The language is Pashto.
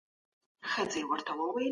نور مجلسونه څنګه کار کوي؟